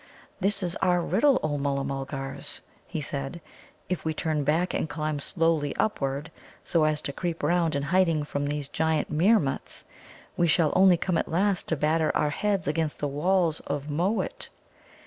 "This is our riddle, O Mulla mulgars," he said: "If we turn back and climb slowly upward, so as to creep round in hiding from these giant Meermuts, we shall only come at last to batter our heads against the walls of Mōōt.